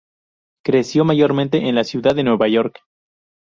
Creció mayormente en la ciudad de Nueva York.